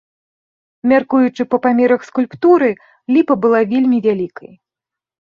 Мяркуючы па памерах скульптуры, ліпа была вельмі вялікай.